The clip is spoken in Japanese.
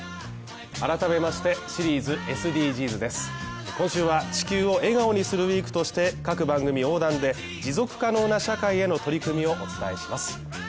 改めまして、シリーズ「ＳＤＧｓ」です今週は「地球を笑顔にするＷＥＥＫ」として各番組横断で持続可能な社会への取り組みをお伝えします。